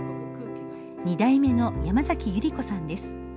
２代目の山崎ゆり子さんです。